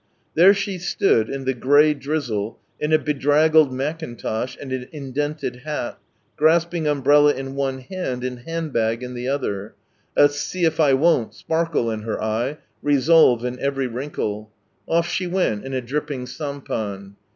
There she stood, in the grey drizzle, in a bedraggled mackintosh and an indented hat, grasping umbrella in one hand, and handbag in the other, a see if I won't sparkle in her eye, resolve in every wrinkle; ofif she went in a dripping sampan.